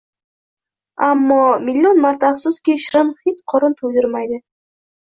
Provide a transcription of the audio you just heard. Ammo, million marta afsuski, shirin hid qorin to‘ydirmaydi